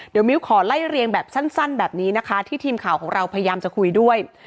เดี๋ยวมิ้วขอไล่เรียงแบบสั้นแบบนี้นะคะที่ทีมข่าวของเราพยายามจะคุยด้วย